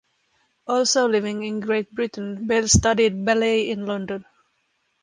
Also living in Great Britain Belle studied ballet in London.